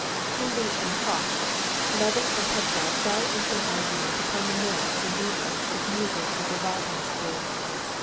In the entr'acte Levin and Pestsov fell into an argument upon the merits and defects of music of the Wagner school.